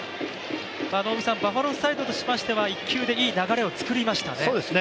バファローズサイドとしましては１球でいい流れを作りましたね。